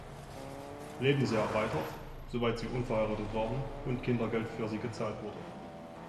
Lebensjahr erweitert, soweit sie unverheiratet waren und Kindergeld für sie gezahlt wurde.